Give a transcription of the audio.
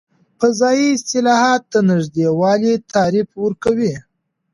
فضايي اصطلاحات د نږدې والي تعریف ورکوي.